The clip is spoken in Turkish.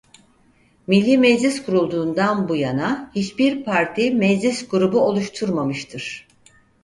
Millî Meclis kurulduğundan bu yana hiçbir parti Meclis Grubu oluşturmamıştır.